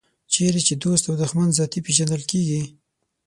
چېرې چې دوست او دښمن ذاتي پېژندل کېږي.